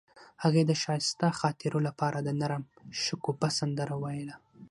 هغې د ښایسته خاطرو لپاره د نرم شګوفه سندره ویله.